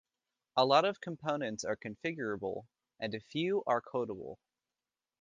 A lot of components are configurable and a few are codable.